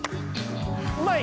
うまい！